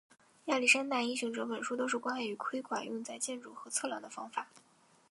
亚历山大英雄整本书都是关于窥管用在建筑和测量的方法。